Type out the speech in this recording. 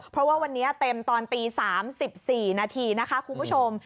เพราะว่าวันนี้เต็มตอนตี๓๔นาทีนะคะคุณผู้ชม